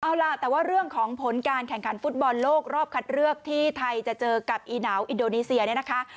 เอาล่ะแต่ว่าเรื่องของผลการแข่งขันฟุตบอลโลกรอบคัดเลือกที่ไทยจะเจอกับอีหนาวอินโดนีเซียเนี่ยนะคะ